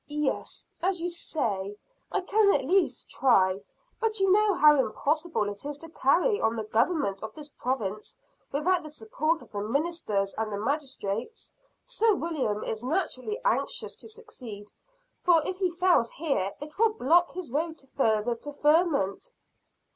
"Yes, as you say, I can at least try. But you know how impossible it is to carry on the government of this Province without the support of the ministers and the magistrates. Sir William is naturally anxious to succeed; for, if he fails here, it will block his road to further preferment."